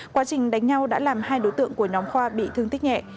quá trình đánh nhau đã làm hai đối tượng của nhóm khoa bị thương tích nhẹ